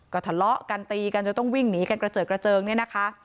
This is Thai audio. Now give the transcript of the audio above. ก็ทะเลาะกันตีกันจนต้องวิ่งหนีกันกระเจิดกระเจิงเนี่ยนะคะ